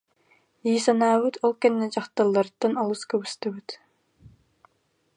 дии санаабыт, ол кэннэ дьахталларыттан олус кыбыстыбыт